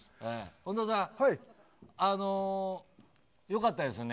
本田さん、良かったですね